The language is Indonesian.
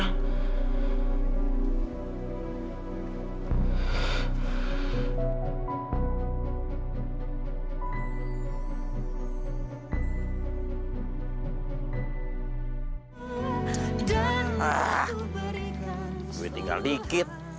ah gue tinggal dikit